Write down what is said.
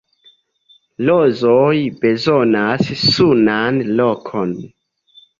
Rozoj bezonas sunan lokon!